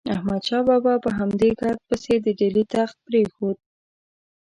احمد شاه بابا په همدې ګرد پسې د ډیلي تخت پرېښود.